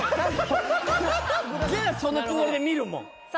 じゃあそのつもりで見るもんさあ